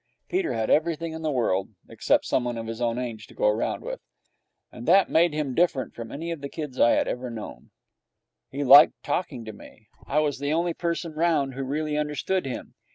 Peter had everything in the world, except someone of his own age to go round with; and that made him different from any of the kids I had known. He liked talking to me. I was the only person round who really understood him.